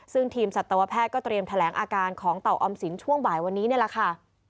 ซึ่งทีมสัตวแพทย์ก็เตรียมแถลงอาการของเต่าออมสินช่วงบ่ายวันนี้นี่แหละค่ะ